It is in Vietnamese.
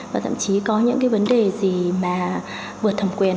và thậm chí có những cái vấn đề gì mà vượt thẩm quyền